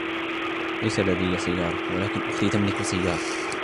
ليس لدي سيارة ، ولكن أختي تملك سيارة.